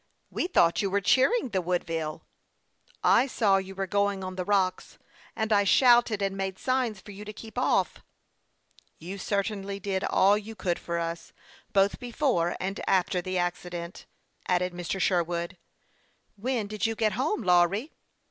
We thought you were cheering the Woodville." " I saw you were going on the rocks, and I shouted and made signs for you to keep off." " You certainly did all you could for us, both before and after the accident," added Mr. Sherwood. " When did you get home, Lawry